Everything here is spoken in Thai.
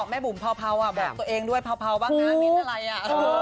บุ๋มเผาอ่ะบอกตัวเองด้วยเภาบ้างนะมิ้นอะไรอ่ะ